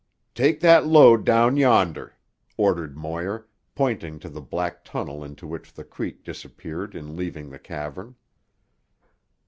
"Take that load down yonder!" ordered Moir, pointing to the black tunnel into which the creek disappeared in leaving the cavern.